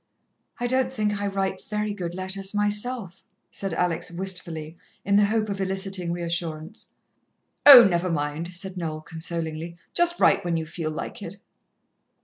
"I don't think I write very good letters myself," said Alex wistfully, in the hope of eliciting reassurance. "Oh, never mind," said Noel consolingly. "Just write when you feel like it."